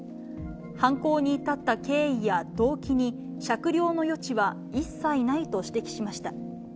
犯行に至った経緯や動機に酌量の余地は一切ないと指摘しました。